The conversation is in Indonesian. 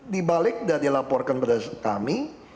di balegda dilaporkan pada kami